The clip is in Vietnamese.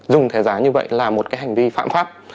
dùng thẻ giá như vậy là một cái hành vi phạm pháp